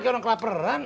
kaya orang kelaperan